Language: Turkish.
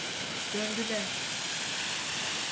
Döndüler!